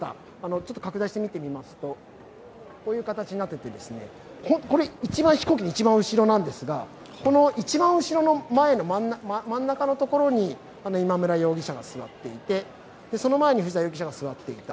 ちょっと拡大して見てみますとこういう形になっててここ、飛行機の一番後ろなんですが後ろの真ん中のところに今村容疑者が座っていて、その前に藤田容疑者が座っていた。